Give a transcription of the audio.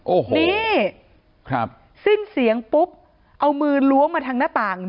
โอ้โหนี่ครับสิ้นเสียงปุ๊บเอามือล้วงมาทางหน้าต่าง